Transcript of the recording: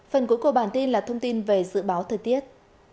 phần cuối của bản tin là thông tin về dự báo thời tiết